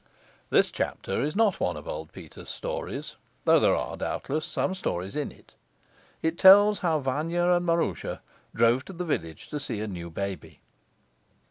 This chapter is not one of old Peter's stories, though there are, doubtless, some stories in it. It tells how Vanya and Maroosia drove to the village to see a new baby.